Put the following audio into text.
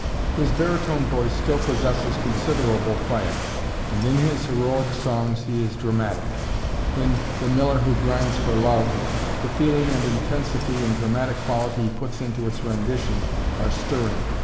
His baritone voice still possesses considerable fire, and in his heroic songs he is dramatic. In "The Miller who grinds for Love," the feeling and intensity and dramatic quality he puts into its rendition are stirring.